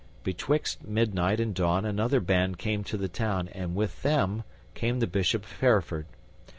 Betwixt midnight and dawn another band came to the town, and with them came the Bishop of Hereford.